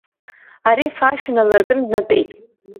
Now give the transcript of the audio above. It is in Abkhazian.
Арифа ашә налыркын днатәеит.